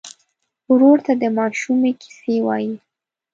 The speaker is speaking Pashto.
ورور ته د ماشومۍ کیسې وایې.